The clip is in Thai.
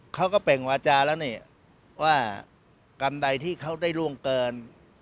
เขาก็เป็นวาจาแล้วว่ากำไดที่เขาได้ร่วงเกิน